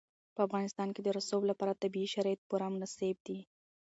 په افغانستان کې د رسوب لپاره طبیعي شرایط پوره مناسب دي.